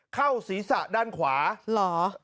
เข้าศรีศะด้านขวาหรอ